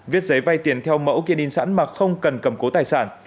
viết giấy vay tiền theo mẫu kiên in sẵn mà không cần cầm cố tài sản